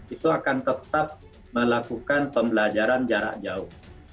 itu akan tetap melakukan pembelajaran jarak jauh